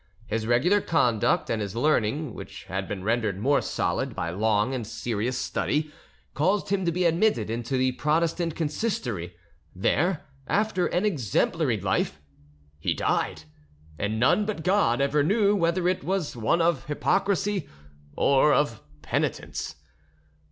His regular conduct and his learning, which had been rendered more solid by long and serious study, caused him to be admitted into the Protestant consistory; there, after an exemplary life, he died, and none but God ever knew whether it was one of hypocrisy or of penitence.